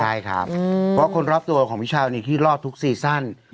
ใช่ครับเพราะคนรอบตัวของพี่เช้านี้ที่รอดทุกซีซั่น